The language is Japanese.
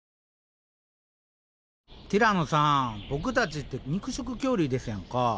ティラノさんボクたちって肉食恐竜ですやんか。